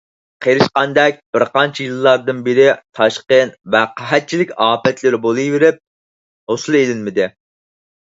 قېرىشقاندەك بىر قانچە يىللاردىن بېرى تاشقىن ۋە قەھەتچىلىك ئاپەتلىرى بولىۋېرىپ، ھوسۇل ئېلىنمىدى.